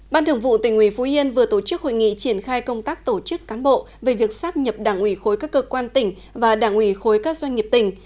ban thường vụ tỉnh ủy phú yên vừa tổ chức hội nghị triển khai công tác tổ chức cán bộ về việc sắp nhập đảng ủy khối các cơ quan tỉnh và đảng ủy khối các doanh nghiệp tỉnh